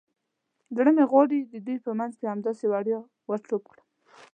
زړه مې غواړي د دوی په منځ کې همداسې وړیا ور ټوپ کړم.